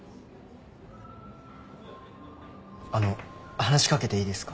あの話し掛けていいですか？